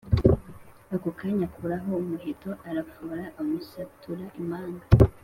akokanya akurayo umuheto arafora amusatura impanga